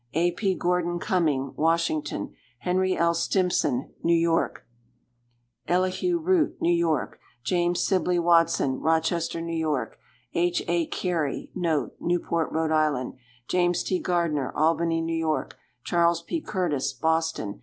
A. P. Gordon Cumming, Washington. Henry L. Stimson, New York. Elihu Root, New York. James Sibley Watson, Rochester, N. Y. H. A. Carey,* Newport, R. I. James T. Gardiner, Albany, N. Y. Charles P. Curtis, Boston.